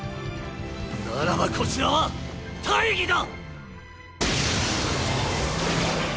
ならばこちらは大義だ！